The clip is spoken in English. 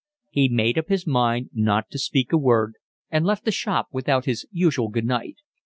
He made up his mind not to speak a word, and left the shop without his usual good night.